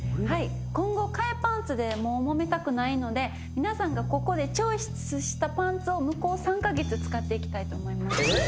今後替えパンツでもうもめたくないので皆さんがここでチョイスしたパンツを向こう３カ月使っていきたいと思います。